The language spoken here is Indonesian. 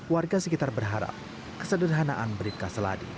warga sekitar berharap kesederhanaan bribka seladi